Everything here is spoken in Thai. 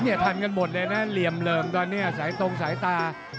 เนี่ยทันกันหมดเลยนะเหลี่ยมเหลิงตอนเนี่ยสายตรงสายตา